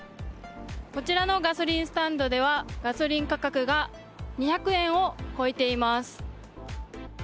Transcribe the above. こちらのガソリンスタンドではガソリン価格が２００円を超えています。